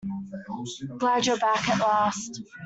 Glad you're back at last.